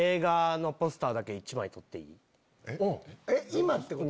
今ってこと？